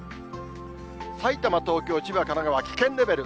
埼玉、東京、千葉、神奈川、危険レベル。